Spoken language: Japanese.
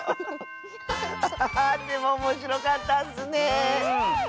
ハハハーでもおもしろかったッスね！